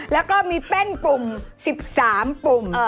แล้วก็มีแป้นปุ่ม๑๓ปุ่ม